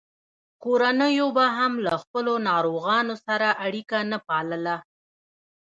کورنیو به هم له خپلو ناروغانو سره اړیکه نه پاللـه.